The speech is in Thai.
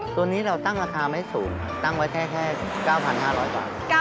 ตัวนี้เราตั้งราคาไม่สูงครับตั้งไว้แค่๙๕๐๐บาท